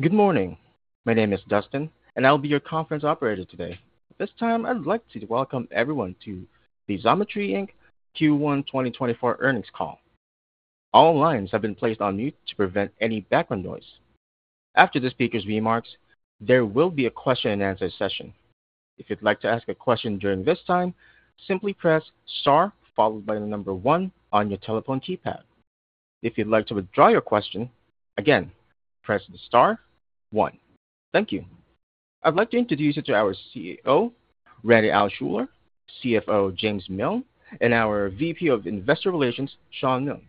Good morning. My name is Dustin, and I'll be your conference operator today. This time I'd like to welcome everyone to the Xometry Inc. Q1 2024 earnings call. All lines have been placed on mute to prevent any background noise. After the speaker's remarks, there will be a question-and-answer session. If you'd like to ask a question during this time, simply press star followed by the number 1 on your telephone keypad. If you'd like to withdraw your question, again, press the star 1. Thank you. I'd like to introduce you to our CEO, Randy Altschuler, CFO, James Miln, and our VP of Investor Relations, Shawn Milne.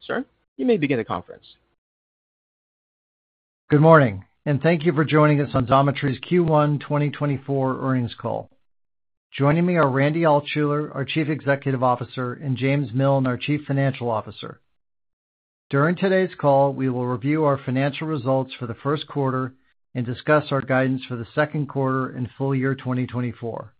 Sir, you may begin the conference. Good morning, and thank you for joining us on Xometry's Q1 2024 earnings call. Joining me are Randy Altschuler, our Chief Executive Officer, and James Miln, our Chief Financial Officer. During today's call, we will review our financial results for the 1Q and discuss our guidance for the second quarter and full year 2024.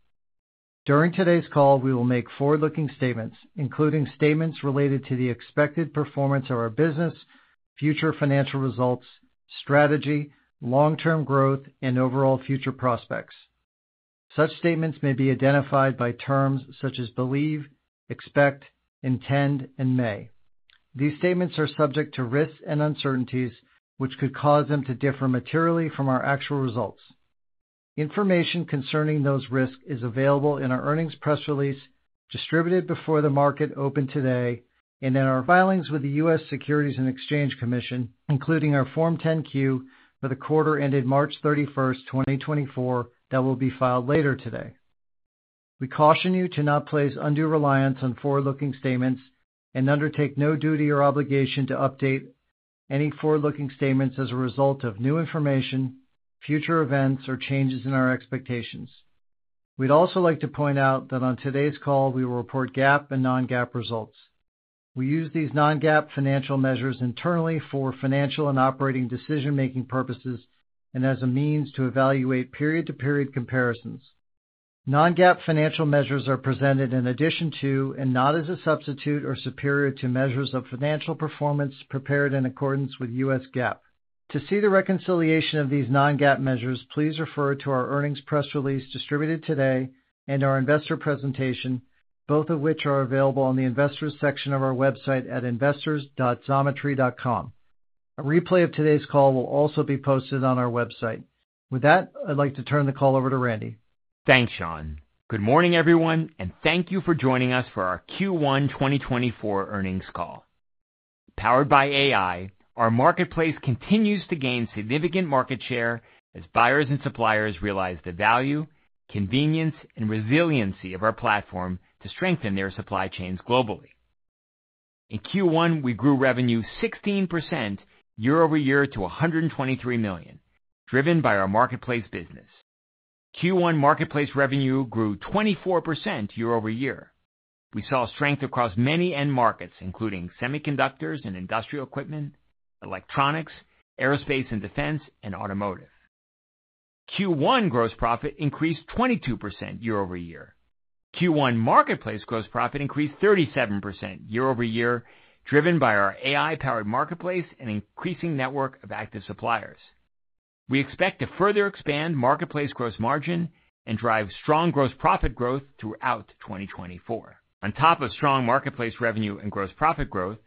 During today's call, we will make forward-looking statements, including statements related to the expected performance of our business, future financial results, strategy, long-term growth, and overall future prospects. Such statements may be identified by terms such as believe, expect, intend, and may. These statements are subject to risks and uncertainties, which could cause them to differ materially from our actual results. Information concerning those risks is available in our earnings press release, distributed before the market opened today, and in our filings with the U.S. Securities and Exchange Commission, including our Form 10-Q for the quarter ended March 31, 2024, that will be filed later today. We caution you to not place undue reliance on forward-looking statements and undertake no duty or obligation to update any forward-looking statements as a result of new information, future events, or changes in our expectations. We'd also like to point out that on today's call we will report GAAP and non-GAAP results. We use these non-GAAP financial measures internally for financial and operating decision-making purposes and as a means to evaluate period-to-period comparisons. Non-GAAP financial measures are presented in addition to and not as a substitute or superior to measures of financial performance prepared in accordance with U.S. GAAP. To see the reconciliation of these non-GAAP measures, please refer to our earnings press release distributed today and our investor presentation, both of which are available on the investors section of our website at investors.xometry.com. A replay of today's call will also be posted on our website. With that, I'd like to turn the call over to Randy. Thanks, Shawn. Good morning, everyone, and thank you for joining us for our Q1 2024 earnings call. Powered by AI, our marketplace continues to gain significant market share as buyers and suppliers realize the value, convenience, and resiliency of our platform to strengthen their supply chains globally. In Q1, we grew revenue 16% year-over-year to $123 million, driven by our marketplace business. Q1 marketplace revenue grew 24% year-over-year. We saw strength across many end markets, including semiconductors and industrial equipment, electronics, aerospace and defense, and automotive. Q1 gross profit increased 22% year-over-year. Q1 marketplace gross profit increased 37% year-over-year, driven by our AI-powered marketplace and increasing network of active suppliers. We expect to further expand marketplace gross margin and drive strong gross profit growth throughout 2024. On top of strong marketplace revenue and gross profit growth,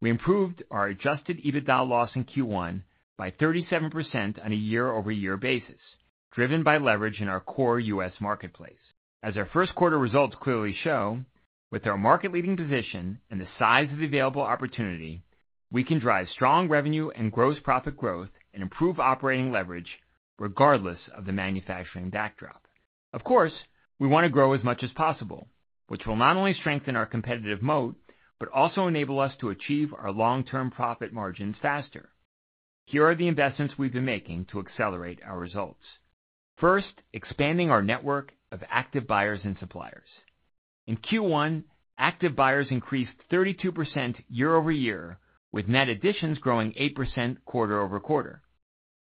we improved our Adjusted EBITDA loss in Q1 by 37% on a year-over-year basis, driven by leverage in our core U.S. marketplace. As our 1Q results clearly show, with our market-leading position and the size of the available opportunity, we can drive strong revenue and gross profit growth and improve operating leverage regardless of the manufacturing backdrop. Of course, we want to grow as much as possible, which will not only strengthen our competitive moat but also enable us to achieve our long-term profit margins faster. Here are the investments we've been making to accelerate our results. First, expanding our network of active buyers and suppliers. In Q1, active buyers increased 32% year-over-year, with net additions growing 8% quarter-over-quarter.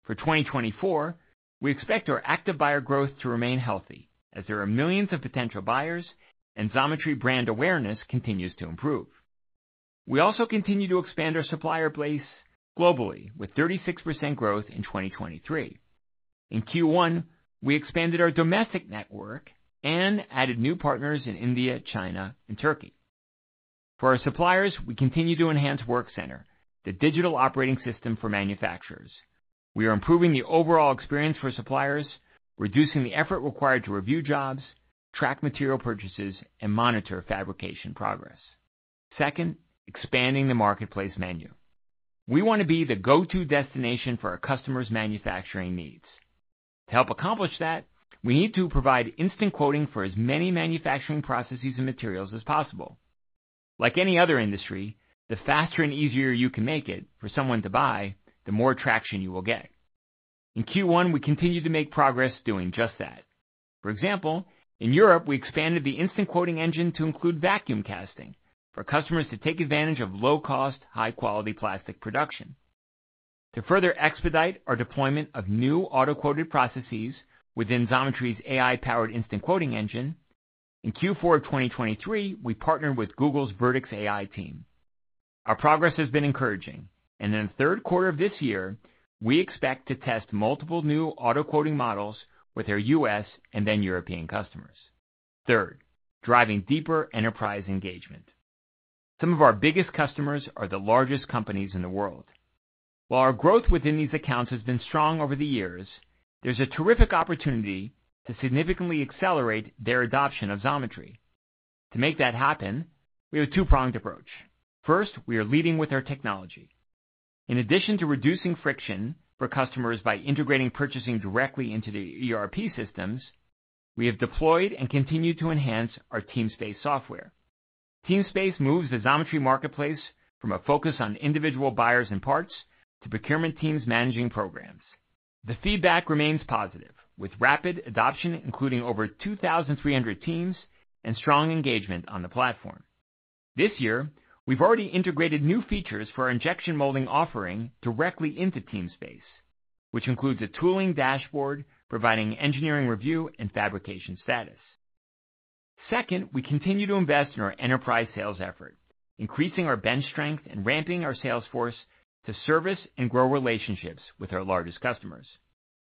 For 2024, we expect our active buyer growth to remain healthy as there are millions of potential buyers and Xometry brand awareness continues to improve. We also continue to expand our supplier base globally, with 36% growth in 2023. In Q1, we expanded our domestic network and added new partners in India, China, and Turkey. For our suppliers, we continue to enhance Workcenter, the digital operating system for manufacturers. We are improving the overall experience for suppliers, reducing the effort required to review jobs, track material purchases, and monitor fabrication progress. Second, expanding the marketplace menu. We want to be the go-to destination for our customers' manufacturing needs. To help accomplish that, we need to provide instant quoting for as many manufacturing processes and materials as possible. Like any other industry, the faster and easier you can make it for someone to buy, the more traction you will get. In Q1, we continue to make progress doing just that. For example, in Europe, we expanded the instant quoting engine to include vacuum casting for customers to take advantage of low-cost, high-quality plastic production. To further expedite our deployment of new auto-quoted processes within Xometry's AI-powered instant quoting engine, in Q4 of 2023 we partnered with Google's Vertex AI team. Our progress has been encouraging, and in the third quarter of this year we expect to test multiple new auto-quoting models with our U.S. and then European customers. Third, driving deeper enterprise engagement. Some of our biggest customers are the largest companies in the world. While our growth within these accounts has been strong over the years, there's a terrific opportunity to significantly accelerate their adoption of Xometry. To make that happen, we have a two-pronged approach. First, we are leading with our technology. In addition to reducing friction for customers by integrating purchasing directly into the ERP systems, we have deployed and continue to enhance our Teamspace software. Teamspace moves the Xometry marketplace from a focus on individual buyers and parts to procurement teams managing programs. The feedback remains positive, with rapid adoption including over 2,300 teams and strong engagement on the platform. This year, we've already integrated new features for our injection molding offering directly into Teamspace, which includes a tooling dashboard providing engineering review and fabrication status. Second, we continue to invest in our enterprise sales effort, increasing our bench strength and ramping our sales force to service and grow relationships with our largest customers.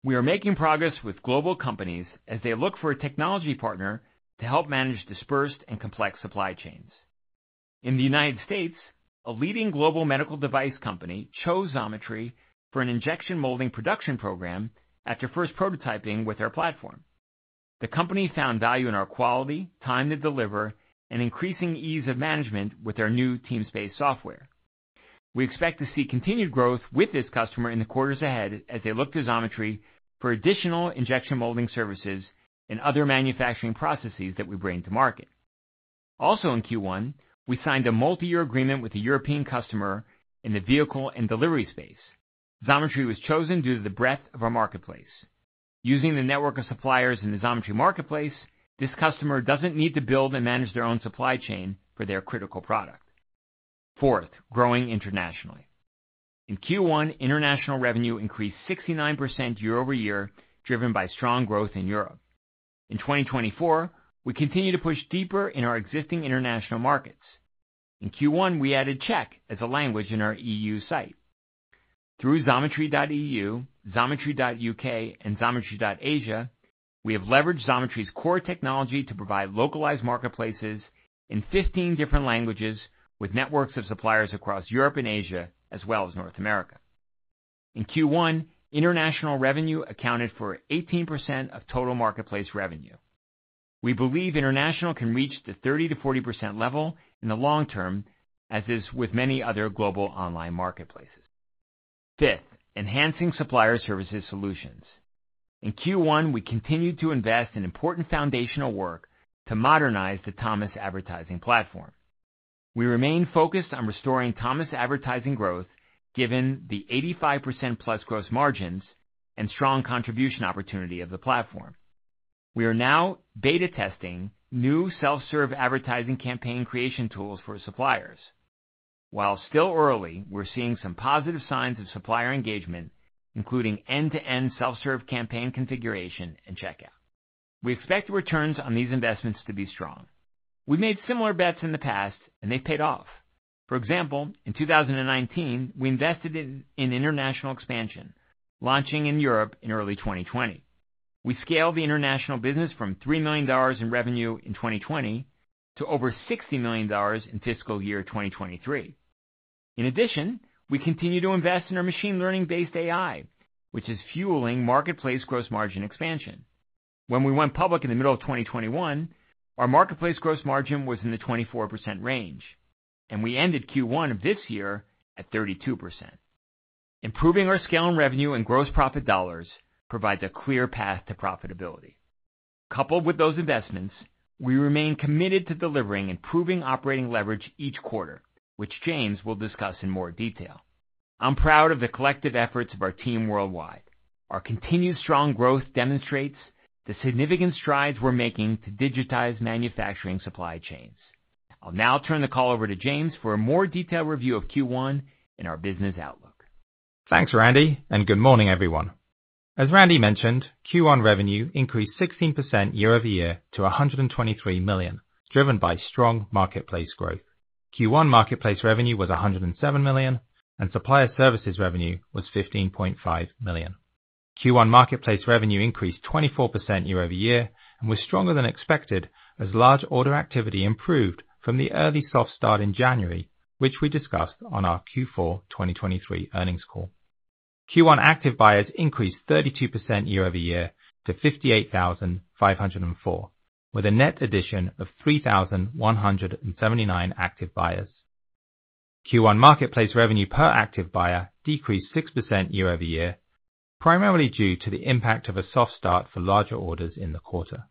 We are making progress with global companies as they look for a technology partner to help manage dispersed and complex supply chains. In the United States, a leading global medical device company chose Xometry for an injection molding production program after first prototyping with our platform. The company found value in our quality, time to deliver, and increasing ease of management with our new Teamspace software. We expect to see continued growth with this customer in the quarters ahead as they look to Xometry for additional injection molding services and other manufacturing processes that we bring to market. Also in Q1, we signed a multi-year agreement with a European customer in the vehicle and delivery space. Xometry was chosen due to the breadth of our marketplace. Using the network of suppliers in the Xometry marketplace, this customer doesn't need to build and manage their own supply chain for their critical product. Fourth, growing internationally. In Q1, international revenue increased 69% year-over-year, driven by strong growth in Europe. In 2024, we continue to push deeper in our existing international markets. In Q1, we added Czech as a language in our EU site. Through xometry.eu, xometry.uk, and xometry.asia, we have leveraged Xometry's core technology to provide localized marketplaces in 15 different languages with networks of suppliers across Europe and Asia as well as North America. In Q1, international revenue accounted for 18% of total marketplace revenue. We believe international can reach the 30%-40% level in the long term, as is with many other global online marketplaces. Fifth, enhancing supplier services solutions. In Q1, we continue to invest in important foundational work to modernize the Thomas advertising platform. We remain focused on restoring Thomas advertising growth given the 85%+ gross margins and strong contribution opportunity of the platform. We are now beta testing new self-serve advertising campaign creation tools for suppliers. While still early, we're seeing some positive signs of supplier engagement, including end-to-end self-serve campaign configuration and checkout. We expect returns on these investments to be strong. We've made similar bets in the past, and they've paid off. For example, in 2019, we invested in international expansion, launching in Europe in early 2020. We scaled the international business from $3 million in revenue in 2020 to over $60 million in fiscal year 2023. In addition, we continue to invest in our machine learning-based AI, which is fueling marketplace gross margin expansion. When we went public in the middle of 2021, our marketplace gross margin was in the 24% range, and we ended Q1 of this year at 32%. Improving our scale in revenue and gross profit dollars provides a clear path to profitability. Coupled with those investments, we remain committed to delivering improving operating leverage each quarter, which James will discuss in more detail. I'm proud of the collective efforts of our team worldwide. Our continued strong growth demonstrates the significant strides we're making to digitize manufacturing supply chains. I'll now turn the call over to James for a more detailed review of Q1 and our business outlook. Thanks, Randy, and good morning, everyone. As Randy mentioned, Q1 revenue increased 16% year-over-year to $123 million, driven by strong marketplace growth. Q1 marketplace revenue was $107 million, and supplier services revenue was $15.5 million. Q1 marketplace revenue increased 24% year-over-year and was stronger than expected as large order activity improved from the early soft start in January, which we discussed on our Q4 2023 earnings call. Q1 active buyers increased 32% year-over-year to 58,504, with a net addition of 3,179 active buyers. Q1 marketplace revenue per active buyer decreased 6% year-over-year, primarily due to the impact of a soft start for larger orders in the quarter.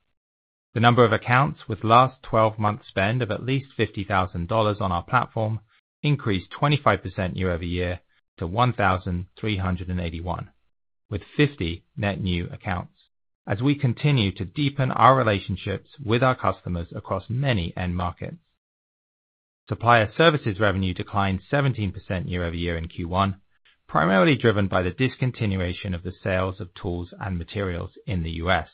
The number of accounts with last 12-month spend of at least $50,000 on our platform increased 25% year-over-year to 1,381, with 50 net new accounts, as we continue to deepen our relationships with our customers across many end markets. Supplier services revenue declined 17% year-over-year in Q1, primarily driven by the discontinuation of the sales of tools and materials in the U.S.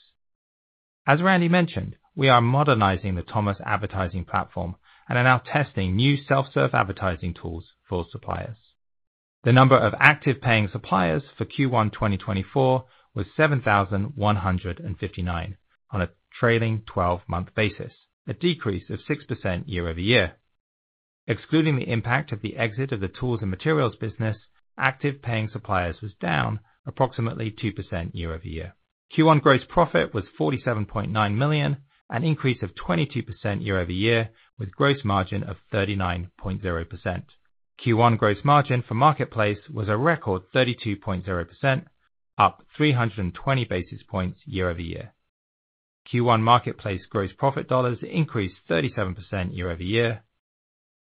As Randy mentioned, we are modernizing the Thomas advertising platform and are now testing new self-serve advertising tools for suppliers. The number of active paying suppliers for Q1 2024 was 7,159 on a trailing 12-month basis, a decrease of 6% year-over-year. Excluding the impact of the exit of the tools and materials business, active paying suppliers was down approximately 2% year-over-year. Q1 gross profit was $47.9 million, an increase of 22% year-over-year, with gross margin of 39.0%. Q1 gross margin for marketplace was a record 32.0%, up 320 basis points year-over-year. Q1 marketplace gross profit dollars increased 37% year-over-year.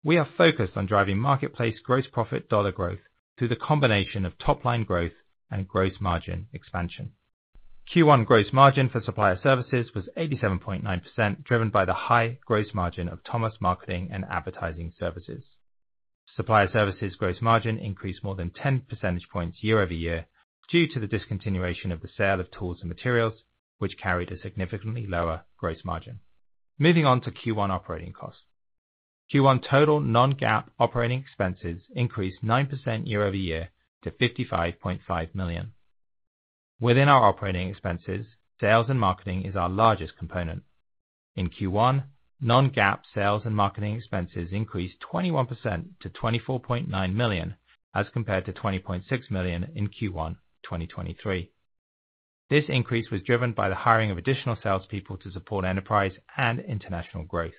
We are focused on driving marketplace gross profit dollar growth through the combination of top-line growth and gross margin expansion. Q1 gross margin for supplier services was 87.9%, driven by the high gross margin of Thomas marketing and advertising services. Supplier services gross margin increased more than 10 percentage points year-over-year due to the discontinuation of the sale of tools and materials, which carried a significantly lower gross margin. Moving on to Q1 operating costs. Q1 total non-GAAP operating expenses increased 9% year-over-year to $55.5 million. Within our operating expenses, sales and marketing is our largest component. In Q1, non-GAAP sales and marketing expenses increased 21% to $24.9 million as compared to $20.6 million in Q1 2023. This increase was driven by the hiring of additional salespeople to support enterprise and international growth.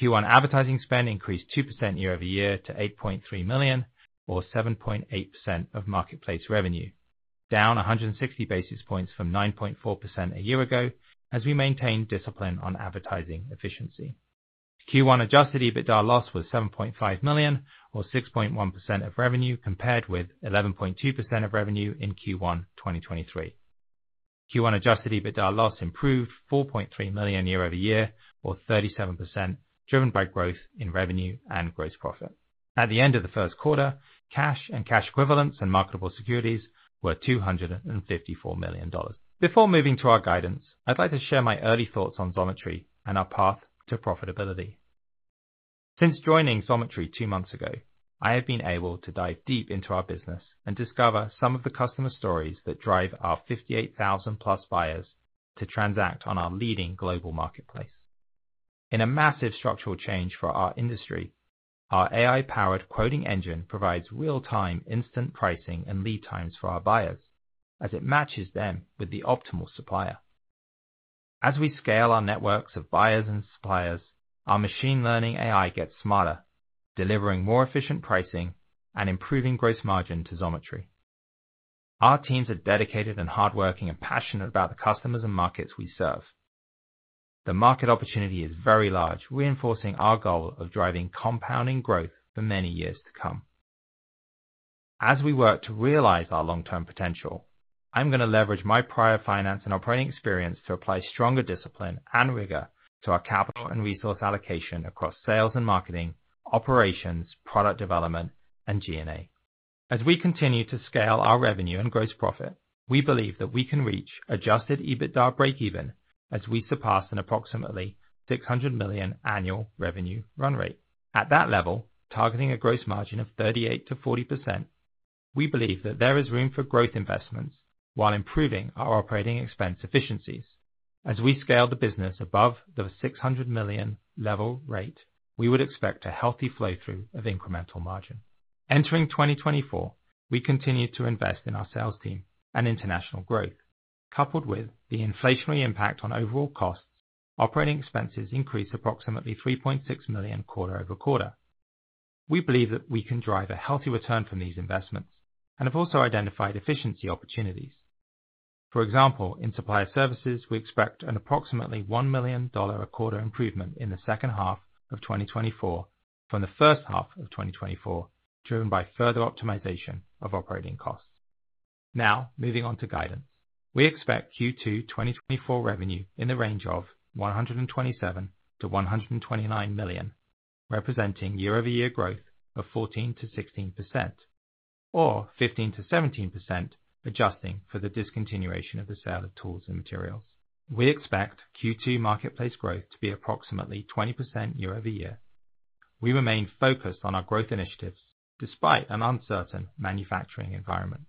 Q1 advertising spend increased 2% year over year to $8.3 million, or 7.8% of marketplace revenue, down 160 basis points from 9.4% a year ago as we maintained discipline on advertising efficiency. Q1 Adjusted EBITDA loss was $7.5 million, or 6.1% of revenue compared with 11.2% of revenue in Q1 2023. Q1 Adjusted EBITDA loss improved $4.3 million year over year, or 37%, driven by growth in revenue and gross profit. At the end of the 1Q, cash and cash equivalents and marketable securities were $254 million. Before moving to our guidance, I'd like to share my early thoughts on Xometry and our path to profitability. Since joining Xometry two months ago, I have been able to dive deep into our business and discover some of the customer stories that drive our 58,000+ buyers to transact on our leading global marketplace. In a massive structural change for our industry, our AI-powered quoting engine provides real-time, instant pricing and lead times for our buyers as it matches them with the optimal supplier. As we scale our networks of buyers and suppliers, our machine learning AI gets smarter, delivering more efficient pricing and improving gross margin to Xometry. Our teams are dedicated and hardworking and passionate about the customers and markets we serve. The market opportunity is very large, reinforcing our goal of driving compounding growth for many years to come. As we work to realize our long-term potential, I'm going to leverage my prior finance and operating experience to apply stronger discipline and rigor to our capital and resource allocation across sales and marketing, operations, product development, and G&A. As we continue to scale our revenue and gross profit, we believe that we can reach Adjusted EBITDA break-even as we surpass an approximately $600 million annual revenue run rate. At that level, targeting a gross margin of 38%-40%, we believe that there is room for growth investments while improving our operating expense efficiencies. As we scale the business above the $600 million level rate, we would expect a healthy flow-through of incremental margin. Entering 2024, we continue to invest in our sales team and international growth. Coupled with the inflationary impact on overall costs, operating expenses increase approximately $3.6 million quarter-over-quarter. We believe that we can drive a healthy return from these investments and have also identified efficiency opportunities. For example, in supplier services, we expect an approximately $1 million a quarter improvement in the second half of 2024 from the first half of 2024, driven by further optimization of operating costs. Now, moving on to guidance. We expect Q2 2024 revenue in the range of $127-$129 million, representing year-over-year growth of 14%-16%, or 15%-17% adjusting for the discontinuation of the sale of tools and materials. We expect Q2 marketplace growth to be approximately 20% year over year. We remain focused on our growth initiatives despite an uncertain manufacturing environment.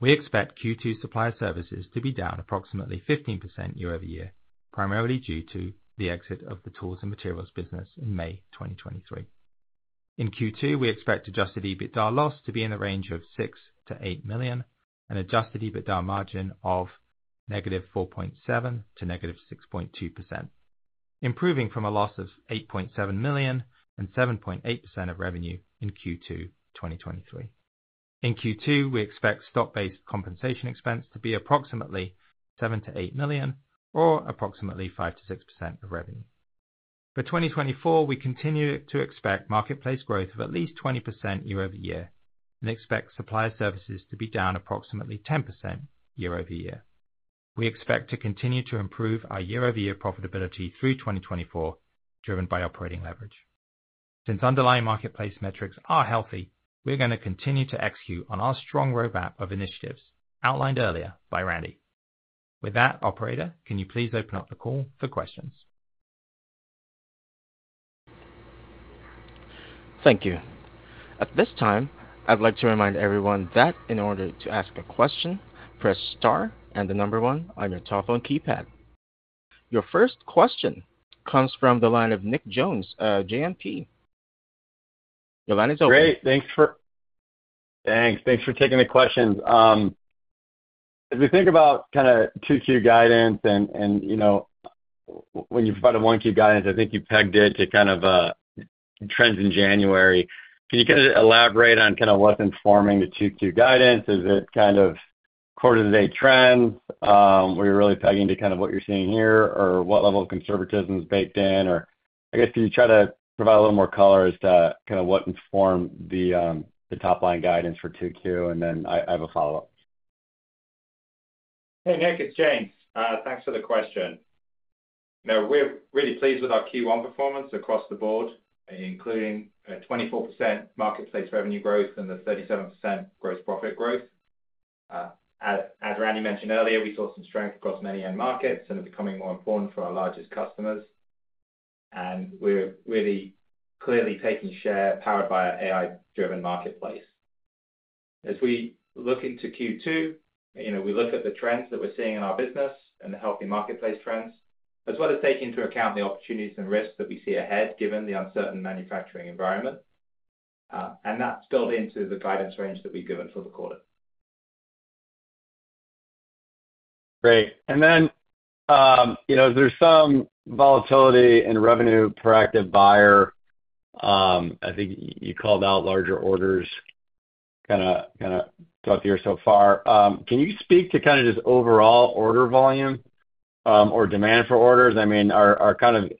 We expect Q2 supplier services to be down approximately 15% year over year, primarily due to the exit of the tools and materials business in May 2023. In Q2, we expect adjusted EBITDA loss to be in the range of $6 million-$8 million, an adjusted EBITDA margin of -4.7%--6.2%, improving from a loss of $8.7 million and 7.8% of revenue in Q2 2023. In Q2, we expect stock-based compensation expense to be approximately $7 million-$8 million, or approximately 5%-6% of revenue. For 2024, we continue to expect marketplace growth of at least 20% year-over-year and expect supplier services to be down approximately 10% year-over-year. We expect to continue to improve our year-over-year profitability through 2024, driven by operating leverage. Since underlying marketplace metrics are healthy, we're going to continue to execute on our strong roadmap of initiatives outlined earlier by Randy. With that, operator, can you please open up the call for questions? Thank you. At this time, I'd like to remind everyone that in order to ask a question, press star and the number one on your telephone keypad. Your first question comes from the line of Nick Jones, JMP. Your line is open. Great. Thanks for taking the questions. As we think about kind of 2Q guidance, and when you provided 1Q guidance, I think you pegged it to kind of trends in January. Can you kind of elaborate on kind of what's informing the 2Q guidance? Is it kind of quarter-to-date trends? Were you really pegging to kind of what you're seeing here, or what level of conservatism is baked in? Or I guess can you try to provide a little more color as to kind of what informed the top-line guidance for 2Q? And then I have a follow-up. Hey, Nick. It's James. Thanks for the question. We're really pleased with our Q1 performance across the board, including 24% marketplace revenue growth and the 37% gross profit growth. As Randy mentioned earlier, we saw some strength across many end markets and are becoming more important for our largest customers. And we're really clearly taking share powered by an AI-driven marketplace. As we look into Q2, we look at the trends that we're seeing in our business and the healthy marketplace trends, as well as taking into account the opportunities and risks that we see ahead given the uncertain manufacturing environment. And that's built into the guidance range that we've given for the quarter. Great. Then there's some volatility in revenue per active buyer. I think you called out larger orders kind of throughout the year so far. Can you speak to kind of just overall order volume or demand for orders? I mean, are kind of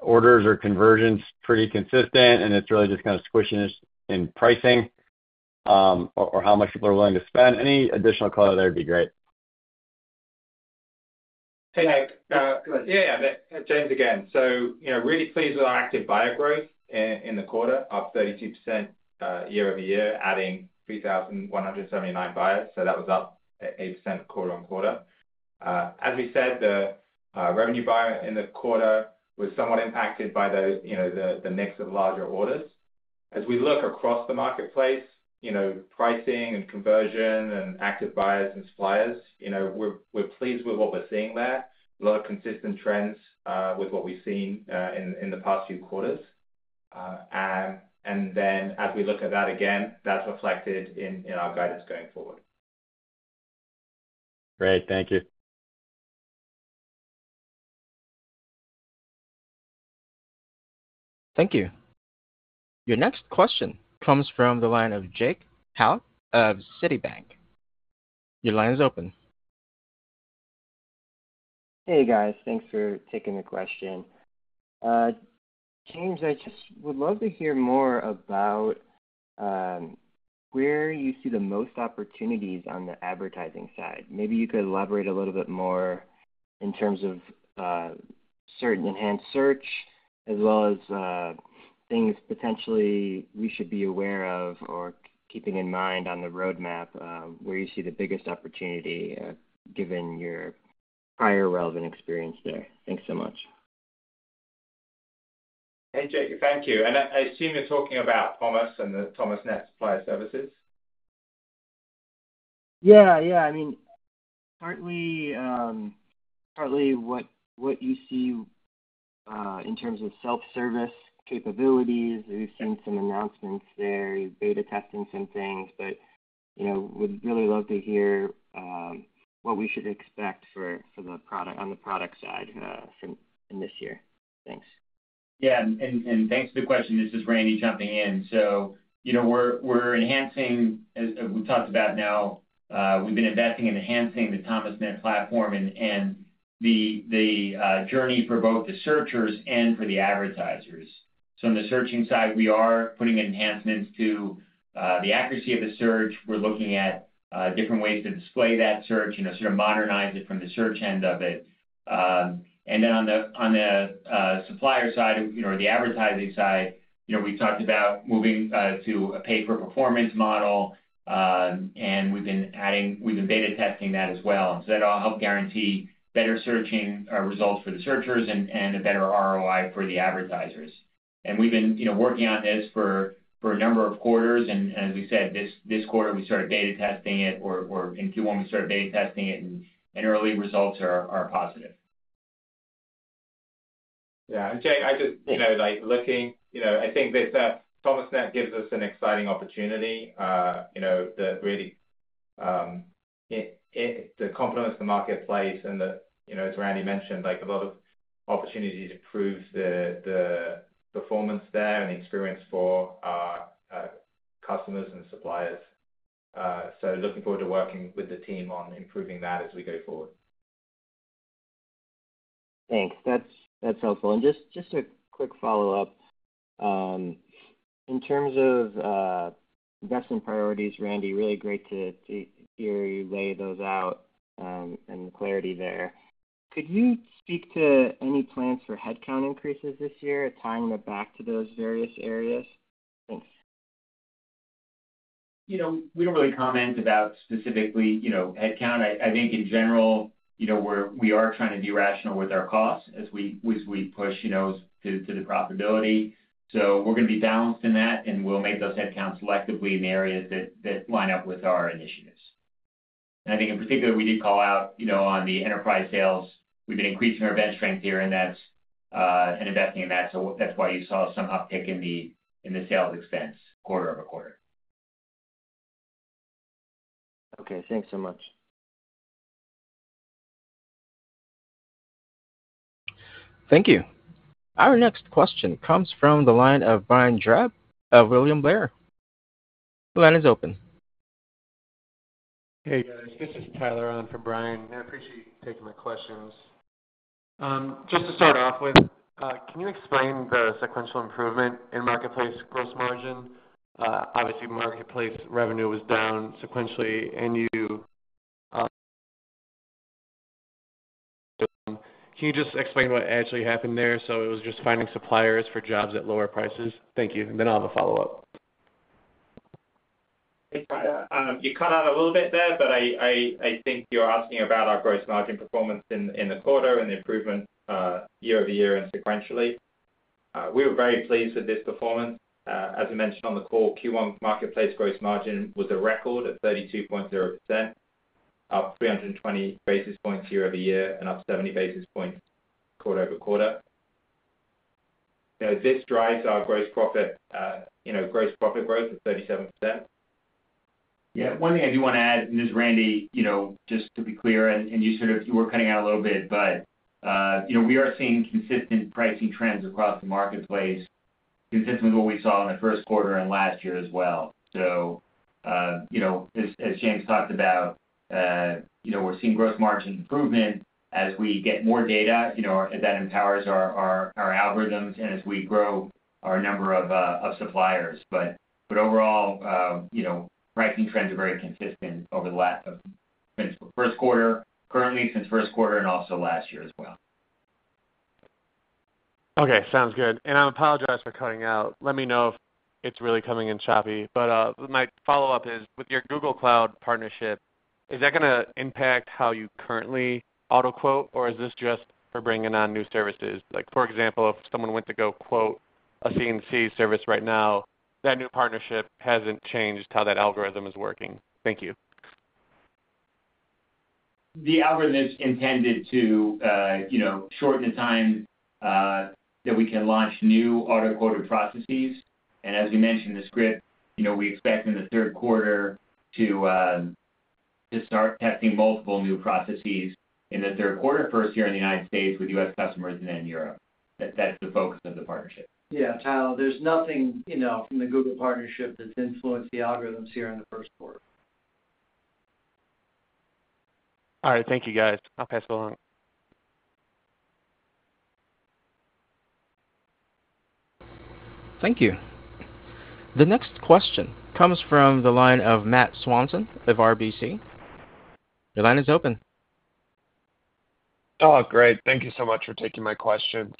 orders or conversions pretty consistent, and it's really just kind of squishiness in pricing or how much people are willing to spend? Any additional color there would be great. Hey, Nick. Go ahead. Yeah, yeah. James again. So really pleased with our active buyer growth in the quarter. Up 32% year-over-year, adding 3,179 buyers. So that was up 8% quarter-over-quarter. As we said, the revenue buyer in the quarter was somewhat impacted by the mix of larger orders. As we look across the marketplace, pricing and conversion and active buyers and suppliers, we're pleased with what we're seeing there. A lot of consistent trends with what we've seen in the past few quarters. And then as we look at that again, that's reflected in our guidance going forward. Great. Thank you. Thank you. Your next question comes from the line of Jake Held of Citibank. Your line is open. Hey, guys. Thanks for taking the question. James, I just would love to hear more about where you see the most opportunities on the advertising side. Maybe you could elaborate a little bit more in terms of certain enhanced search, as well as things potentially we should be aware of or keeping in mind on the roadmap, where you see the biggest opportunity given your prior relevant experience there. Thanks so much. Hey, Jake. Thank you. And I assume you're talking about Thomasnet and the Thomasnet Supplier Services? Yeah, yeah. I mean, partly what you see in terms of self-service capabilities. We've seen some announcements there. You're beta testing some things. But would really love to hear what we should expect on the product side in this year. Thanks. Yeah. And thanks for the question. This is Randy jumping in. So we're enhancing, as we've talked about now, we've been investing in enhancing the Thomasnet platform and the journey for both the searchers and for the advertisers. So on the searching side, we are putting enhancements to the accuracy of the search. We're looking at different ways to display that search, sort of modernize it from the search end of it. And then on the supplier side or the advertising side, we talked about moving to a pay-for-performance model. And we've been beta testing that as well. And so that'll help guarantee better searching results for the searchers and a better ROI for the advertisers. And we've been working on this for a number of quarters. And as we said, this quarter, we started beta testing it, or in Q1, we started beta testing it. Early results are positive. Yeah. Jake, I'm just looking. I think that Thomasnet gives us an exciting opportunity that really complements the marketplace. And as Randy mentioned, a lot of opportunities improve the performance there and the experience for our customers and suppliers. So looking forward to working with the team on improving that as we go forward. Thanks. That's helpful. And just a quick follow-up. In terms of investment priorities, Randy, really great to hear you lay those out and the clarity there. Could you speak to any plans for headcount increases this year tying them back to those various areas? Thanks. We don't really comment about specifically headcount. I think in general, we are trying to be rational with our costs as we push to the profitability. So we're going to be balanced in that, and we'll make those headcounts selectively in areas that line up with our initiatives. And I think in particular, we did call out on the enterprise sales. We've been increasing our bench strength here, and that's investing in that. So that's why you saw some uptick in the sales expense quarter over quarter. Okay. Thanks so much. Thank you. Our next question comes from the line of Brian Drab of William Blair. The line is open. Hey, guys. This is Tyler on for Brian. I appreciate you taking my questions. Just to start off with, can you explain the sequential improvement in marketplace gross margin? Obviously, marketplace revenue was down sequentially. And can you just explain what actually happened there? So it was just finding suppliers for jobs at lower prices. Thank you. And then I'll have a follow-up. Hey, Tyler. You cut out a little bit there, but I think you were asking about our gross margin performance in the quarter and the improvement year-over-year and sequentially. We were very pleased with this performance. As I mentioned on the call, Q1 marketplace gross margin was a record at 32.0%, up 320 basis points year-over-year and up 70 basis points quarter-over-quarter. This drives our gross profit growth at 37%. Yeah. One thing I do want to add, and this is Randy, just to be clear, and you were cutting out a little bit, but we are seeing consistent pricing trends across the marketplace, consistent with what we saw in the 1Q and last year as well. So as James talked about, we're seeing gross margin improvement as we get more data. That empowers our algorithms and as we grow our number of suppliers. But overall, pricing trends are very consistent over the last since 1Q, currently since 1Q, and also last year as well. Okay. Sounds good. I apologize for cutting out. Let me know if it's really coming in choppy. My follow-up is, with your Google Cloud partnership, is that going to impact how you currently auto-quote, or is this just for bringing on new services? For example, if someone went to go quote a CNC service right now, that new partnership hasn't changed how that algorithm is working. Thank you. The algorithm is intended to shorten the time that we can launch new auto-quoted processes. As we mentioned in the script, we expect in the third quarter to start testing multiple new processes in the third quarter, first here in the United States with U.S. customers, and then Europe. That's the focus of the partnership. Yeah, Tyler. There's nothing from the Google partnership that's influenced the algorithms here in the 1Q. All right. Thank you, guys. I'll pass it along. Thank you. The next question comes from the line of Matt Swanson of RBC. Your line is open. Oh, great. Thank you so much for taking my question.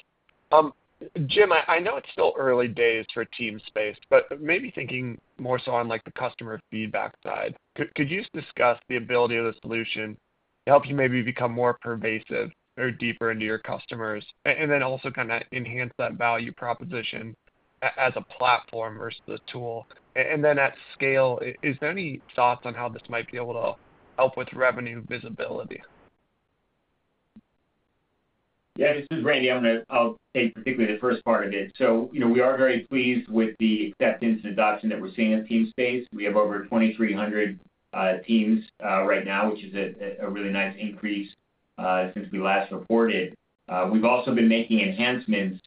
Jim, I know it's still early days for Teamspace, but maybe thinking more so on the customer feedback side, could you discuss the ability of the solution to help you maybe become more pervasive or deeper into your customers and then also kind of enhance that value proposition as a platform versus a tool? And then at scale, is there any thoughts on how this might be able to help with revenue visibility? Yeah. This is Randy. I'll take particularly the first part of it. So we are very pleased with the acceptance and adoption that we're seeing in Teamspace. We have over 2,300 Teamspaces right now, which is a really nice increase since we last reported. We've also been making enhancements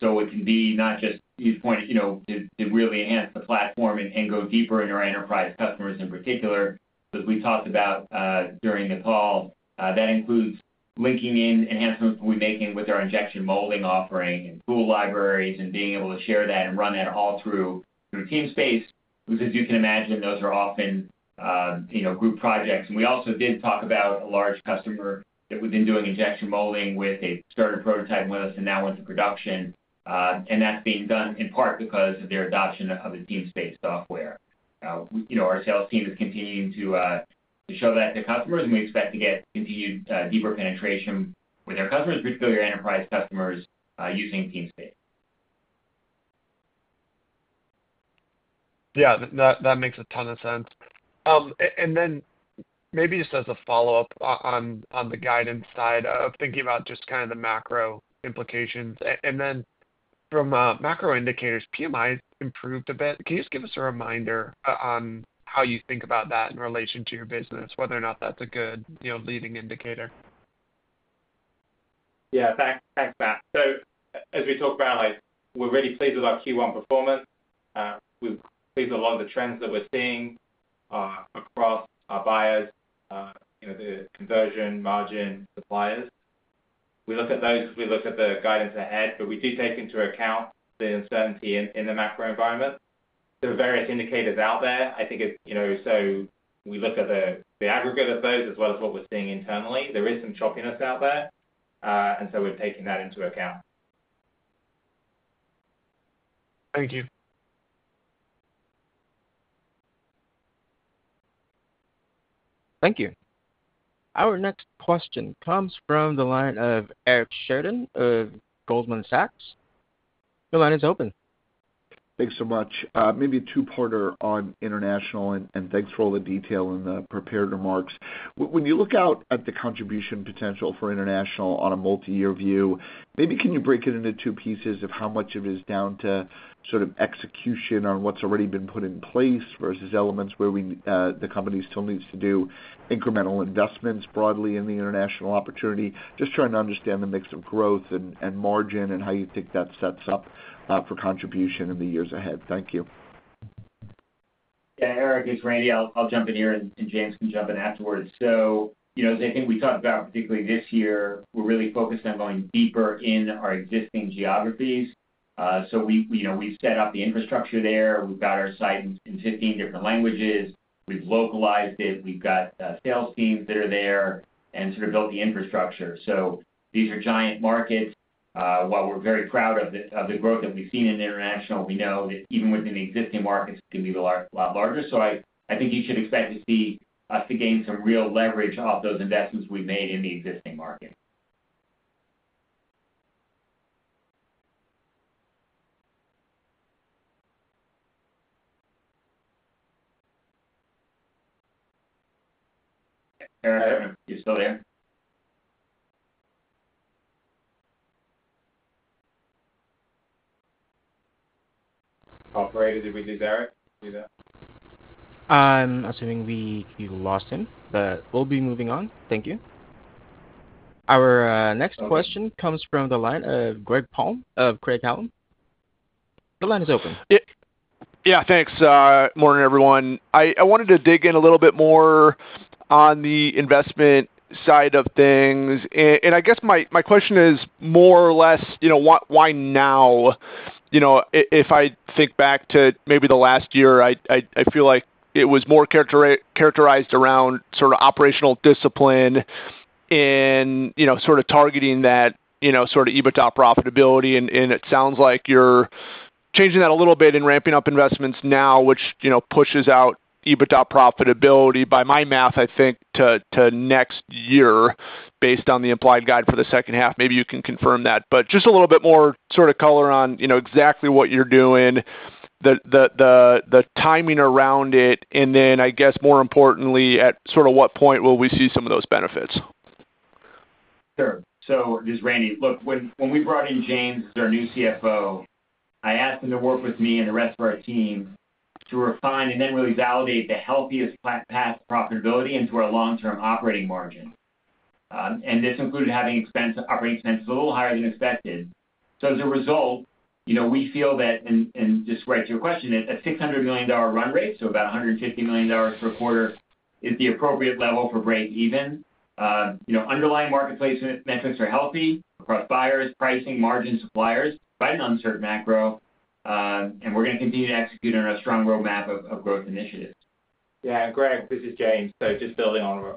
so it can be not just you pointed to really enhance the platform and go deeper in our enterprise customers in particular because we talked about during the call. That includes linking in enhancements we're making with our injection molding offering and tool libraries and being able to share that and run that all through Teamspace. Because as you can imagine, those are often group projects. And we also did talk about a large customer that we've been doing injection molding with. They started a prototype with us and now went to production. That's being done in part because of their adoption of the Teamspace-based software. Our sales team is continuing to show that to customers, and we expect to get continued deeper penetration with our customers, particularly our enterprise customers, using Teamspace-based. Yeah. That makes a ton of sense. And then maybe just as a follow-up on the guidance side of thinking about just kind of the macro implications. And then from macro indicators, PMI improved a bit. Can you just give us a reminder on how you think about that in relation to your business, whether or not that's a good leading indicator? Yeah. Thanks, Matt. So as we talked about, we're really pleased with our Q1 performance. We're pleased with a lot of the trends that we're seeing across our buyers, the conversion margin, suppliers. We look at those. We look at the guidance ahead. But we do take into account the uncertainty in the macro environment. There are various indicators out there. I think it's so we look at the aggregate of those as well as what we're seeing internally. There is some choppiness out there. And so we're taking that into account. Thank you. Thank you. Our next question comes from the line of Eric Sheridan of Goldman Sachs. Your line is open. Thanks so much. Maybe a two-parter on international, and thanks for all the detail and the prepared remarks. When you look out at the contribution potential for international on a multi-year view, maybe can you break it into two pieces of how much of it is down to sort of execution on what's already been put in place versus elements where the company still needs to do incremental investments broadly in the international opportunity? Just trying to understand the mix of growth and margin and how you think that sets up for contribution in the years ahead. Thank you. Yeah. Eric, this is Randy. I'll jump in here, and James can jump in afterwards. So as I think we talked about, particularly this year, we're really focused on going deeper in our existing geographies. So we've set up the infrastructure there. We've got our site in 15 different languages. We've localized it. We've got sales teams that are there and sort of built the infrastructure. So these are giant markets. While we're very proud of the growth that we've seen in international, we know that even within existing markets, it can be a lot larger. So I think you should expect to see us gain some real leverage off those investments we've made in the existing market. Eric, you're still there? Operator, did we lose Eric? Did we do that? I'm assuming we lost him, but we'll be moving on. Thank you. Our next question comes from the line of Greg Palm of Craig-Hallum Capital Group. The line is open. Yeah. Thanks. Morning, everyone. I wanted to dig in a little bit more on the investment side of things. And I guess my question is more or less why now? If I think back to maybe the last year, I feel like it was more characterized around sort of operational discipline and sort of targeting that sort of EBITDA profitability. And it sounds like you're changing that a little bit and ramping up investments now, which pushes out EBITDA profitability, by my math, I think, to next year based on the implied guide for the second half. Maybe you can confirm that. But just a little bit more sort of color on exactly what you're doing, the timing around it, and then, I guess, more importantly, at sort of what point will we see some of those benefits? Sure. So this is Randy. Look, when we brought in James as our new CFO, I asked him to work with me and the rest of our team to refine and then really validate the healthiest past profitability into our long-term operating margin. And this included having operating expenses a little higher than expected. So as a result, we feel that, and just right to your question, a $600 million run rate, so about $150 million per quarter, is the appropriate level for break-even. Underlying marketplace metrics are healthy. Across buyers, pricing, margin, suppliers, right in uncertain macro. And we're going to continue to execute on a strong roadmap of growth initiatives. Yeah. Greg, this is James. So just building on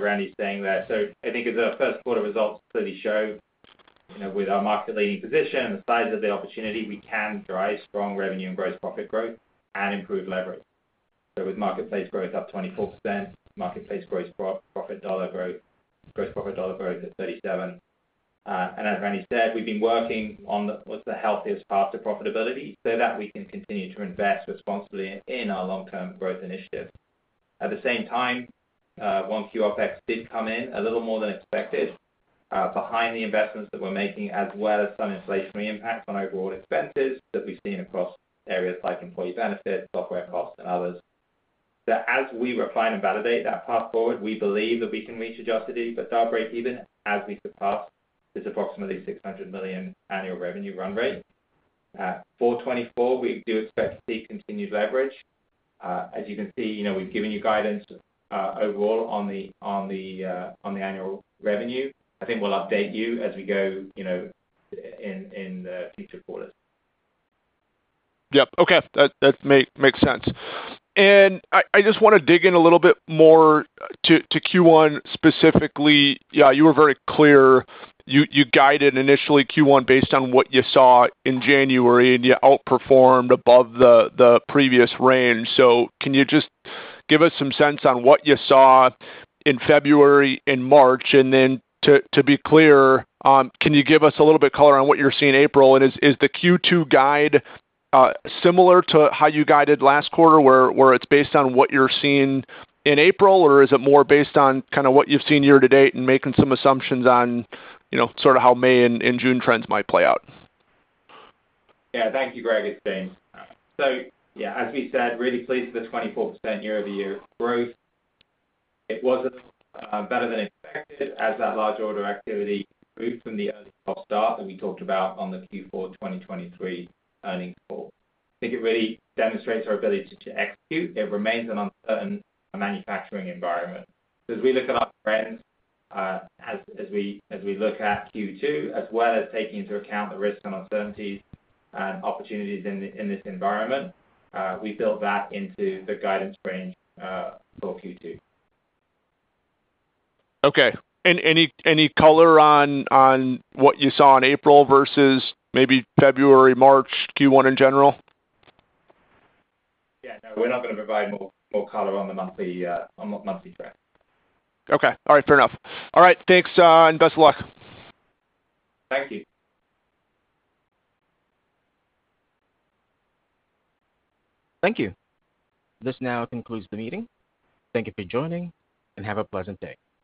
Randy's saying there. So I think as our 1Q results clearly show, with our market-leading position, the size of the opportunity, we can drive strong revenue and gross profit growth and improve leverage. So with marketplace growth up 24%, marketplace gross profit dollar growth, gross profit dollar growth at 37%. And as Randy said, we've been working on what's the healthiest path to profitability so that we can continue to invest responsibly in our long-term growth initiative. At the same time, OpEx did come in a little more than expected behind the investments that we're making, as well as some inflationary impacts on overall expenses that we've seen across areas like employee benefits, software costs, and others. So as we refine and validate that path forward, we believe that we can reach a justifiable break-even as we surpass this approximately $600 million annual revenue run rate. At Q4 2024, we do expect to see continued leverage. As you can see, we've given you guidance overall on the annual revenue. I think we'll update you as we go in the future quarters. Yep. Okay. That makes sense. And I just want to dig in a little bit more to Q1 specifically. Yeah. You were very clear. You guided initially Q1 based on what you saw in January, and you outperformed above the previous range. So can you just give us some sense on what you saw in February and March? And then to be clear, can you give us a little bit color on what you're seeing April? And is the Q2 guide similar to how you guided last quarter, where it's based on what you're seeing in April, or is it more based on kind of what you've seen year to date and making some assumptions on sort of how May and June trends might play out? Yeah. Thank you, Greg, and James. So yeah, as we said, really pleased with the 24% year-over-year growth. It wasn't better than expected as that large order activity improved from the earlysoft start that we talked about on the Q4 2023 earnings call. I think it really demonstrates our ability to execute. It remains an uncertain manufacturing environment. So as we look at our trends, as we look at Q2, as well as taking into account the risks and uncertainties and opportunities in this environment, we built that into the guidance range for Q2. Okay. Any color on what you saw in April versus maybe February, March, Q1 in general? Yeah. No. We're not going to provide more color on the monthly trend. Okay. All right. Fair enough. All right. Thanks, and best of luck. Thank you. Thank you. This now concludes the meeting. Thank you for joining, and have a pleasant day.